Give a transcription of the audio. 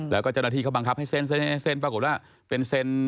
แล้วก็เจ้าหน้าที่เขาบังคับให้เส้นปรากฏว่าเป็นเซ็น